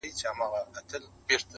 • په دې وروستیو ورځو کي مي -